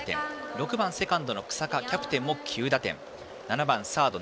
６番セカンドの日下キャプテンも９打点。